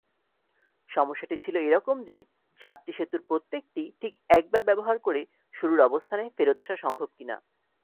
সমস্যাটি ছিল এরকম যে, সাতটি সেতুর প্রত্যেকটি ঠিক একবার ব্যবহার করে শুরুর অবস্থানে ফেরত আসা সম্ভব কিনা।